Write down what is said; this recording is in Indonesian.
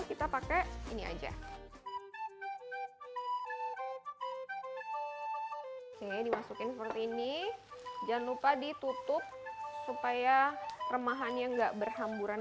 kita pakai ini aja kayaknya dimasukin seperti ini jangan lupa ditutup supaya remahannya enggak berhamburan